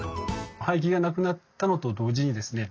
廃棄がなくなったのと同時にですね